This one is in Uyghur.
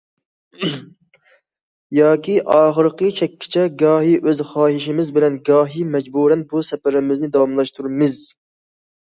ياكى ئاخىرقى چەككىچە گاھى ئۆز خاھىشىمىز بىلەن گاھى مەجبۇرەن بۇ سەپىرىمىزنى داۋاملاشتۇرىمىز.